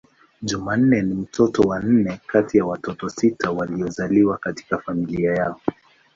Jumanne ni mtoto wa nne kati ya watoto sita waliozaliwa katika familia yao.